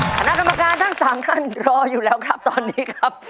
คณะกรรมการทั้ง๓ท่านรออยู่แล้วครับตอนนี้ครับ